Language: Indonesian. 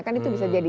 kan itu bisa jadi